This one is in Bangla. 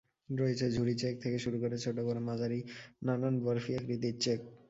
রয়েছে ঝুরি চেক থেকে শুরু করে ছোট-বড়-মাঝারি নানান বরফি আকৃতির চেক।